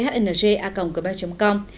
xin cảm ơn sự chú ý theo dõi của quý vị và các bạn